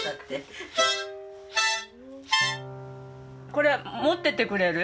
これ持っててくれる？